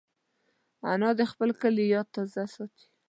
انا د خپل کلي یاد تازه ساتي